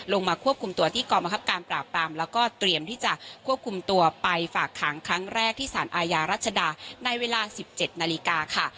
ลงมาควบคุมตัวที่กรมคับการปราบปรามแล้วก็เตรียมที่จะควบคุมตัวไปฝากขังครั้งแรกที่สารอาญารัชดาในเวลา๑๗นาฬิกาค่ะ